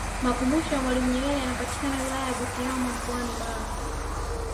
makumbusho ya mwalimu nyerere yanapatika wilaya ya butiama mkoani mara